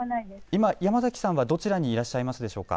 今、山崎さんはどちらにいらっしゃいますか。